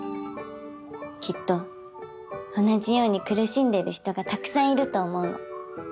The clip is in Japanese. きっと同じように苦しんでる人がたくさんいると思うの。